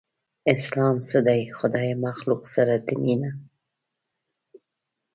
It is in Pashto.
اسلام څه دی؟ خدای مخلوق سره ده مينه